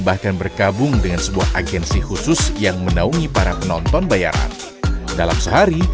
bahkan berkabung dengan sebuah agensi khusus yang menaungi para penonton bayaran dalam sehari